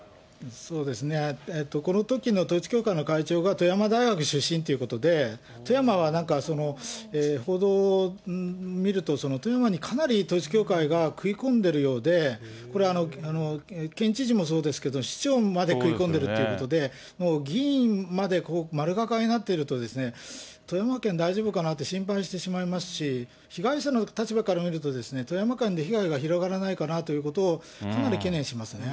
そうですね、このときの統一教会の会長が富山大学出身ということで、富山はなんか、報道を見ると、富山にかなり統一教会が食い込んでるようで、これ、県知事もそうですけど、市長まで食い込んでるということで、もう議員まで丸抱えになっていると、富山県、大丈夫かなと心配してしまいますし、被害者の立場から見ると、富山県で被害が広がらないかなということをかなり懸念しますね。